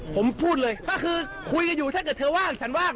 ผมพูดเลยก็คือคุยกันอยู่ถ้าเกิดเธอว่างฉันว่าง